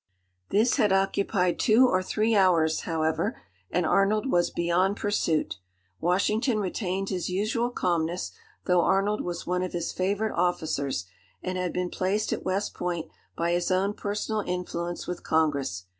This had occupied two or three hours, however, and Arnold was beyond pursuit. Washington retained his usual calmness, though Arnold was one of his favourite officers, and had been placed at West Point by his own personal influence with Congress.